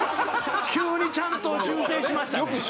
急にちゃんと修正しましたね。